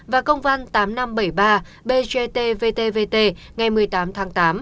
và công văn tám nghìn năm trăm bảy mươi ba bgtvtvt ngày một mươi tám tháng tám